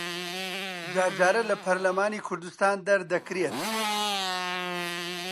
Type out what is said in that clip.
جار جارە لە پەرلەمانی کوردستان دەردەکرێت